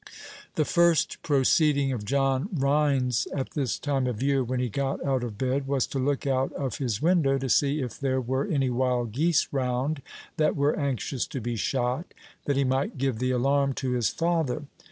The first proceeding of John Rhines at this time of year, when he got out of bed, was to look out of his window, to see if there were any wild geese round that were anxious to be shot, that he might give the alarm to his father.